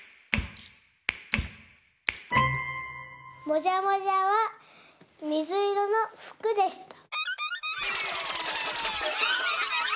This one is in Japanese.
もじゃもじゃはみずいろのふくでした。